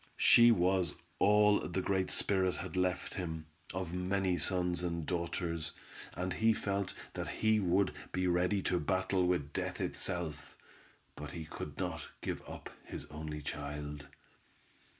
She was all the Great Spirit had left him, of many sons and daughters, and he felt that he would be ready to battle with death itself, but he could not give up his only child.